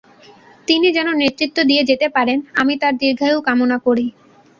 তিনি যেন নেতৃত্ব দিয়ে যেতে পারেন, আমি তাঁর দীর্ঘায়ু কামনা করি।